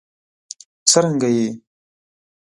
څرنګه یې؟